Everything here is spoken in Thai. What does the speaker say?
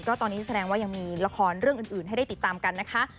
ก็ตอนนี้แสดงว่ายังมีละครเรื่องอื่นให้ได้ติดตามกันนะคะ